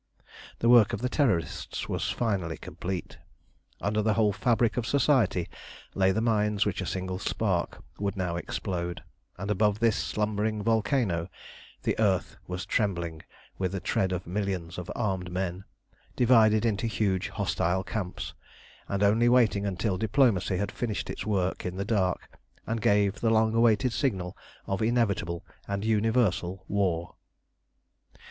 The work of the Terrorists was finally complete. Under the whole fabric of Society lay the mines which a single spark would now explode, and above this slumbering volcano the earth was trembling with the tread of millions of armed men, divided into huge hostile camps, and only waiting until Diplomacy had finished its work in the dark, and gave the long awaited signal of inevitable and universal war.